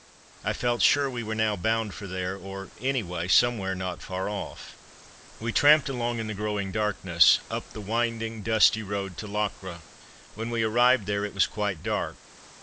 I felt sure we were now bound for there, or anyway, somewhere not far off. We tramped along in the growing darkness, up the winding dusty road to Locre. When we arrived there it was quite dark.